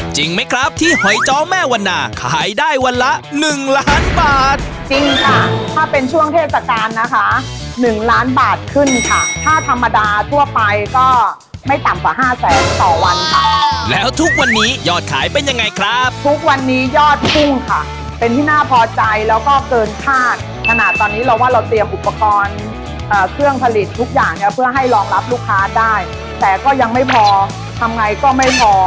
จริงไหมครับที่หอยเจ้าแม่วันน่าขายได้วันละหนึ่งล้านบาทจริงค่ะถ้าเป็นช่วงเทศกาลนะคะหนึ่งล้านบาทขึ้นค่ะถ้าธรรมดาทั่วไปก็ไม่ต่ำกว่าห้าแสนต่อวันค่ะแล้วทุกวันนี้ยอดขายเป็นยังไงครับทุกวันนี้ยอดกุ้งค่ะเป็นที่น่าพอใจแล้วก็เกินท่านถนัดตอนนี้เราว่าเราเตรียมอุปกรณ์เอ่อเคร